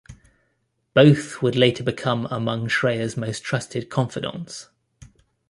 Both would later become among Schreyer's most trusted confidants.